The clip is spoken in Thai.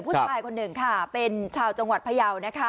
ผู้ชายคนหนึ่งค่ะเป็นชาวจังหวัดพยาวนะคะ